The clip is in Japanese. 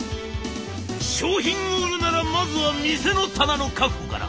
「商品を売るならまずは店の棚の確保から！